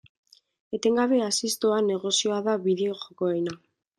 Etengabe haziz doan negozioa da bideo-jokoena.